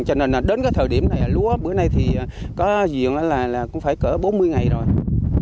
cho nên đến thời điểm này lúa bữa nay có gì cũng phải gây gắt hơn